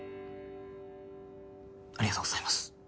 ありがとうございます。